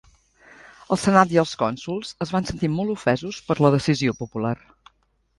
El senat i els cònsols es van sentir molt ofesos per la decisió popular.